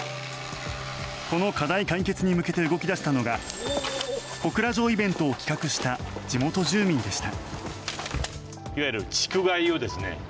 この課題解決に向けて動き出したのが小倉城イベントを企画した地元住民でした。